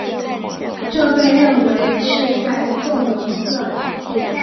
这被认为是在纵容色狼。